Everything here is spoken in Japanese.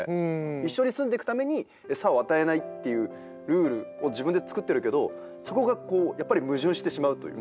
一緒に住んでくために餌を与えないっていうルールを自分で作ってるけどそこがこうやっぱり矛盾してしまうという。